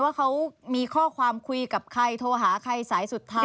ว่าเขามีข้อความคุยกับใครโทรหาใครสายสุดท้าย